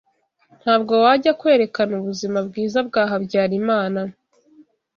ntabwo wajya kwerekana ubuzima bwiza bwa Habyarimana,